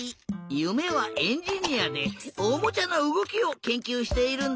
ゆめはエンジニアでおもちゃのうごきをけんきゅうしているんだって！